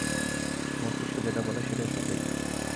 মস্তিষ্ক যেটা বলে, সেটাই সঠিক।